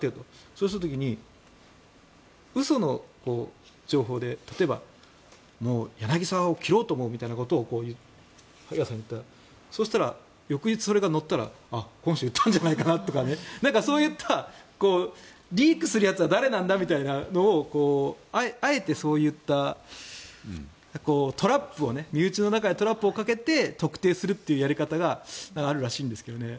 そうする時に嘘の情報で例えば、もう柳澤を切ろうと思うみたいなことを萩谷さんに言ったらそうしたら翌日、それが載ったらこの人言ったんじゃないかなとかなんかそういったリークするやつは誰なんだみたいなことをあえてそういったトラップを身内の中でトラップをかけて特定するというやり方があるらしいんですけどね。